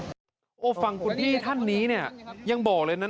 โอ้โหฟังคุณพี่ท่านนี้เนี่ยยังบอกเลยนะ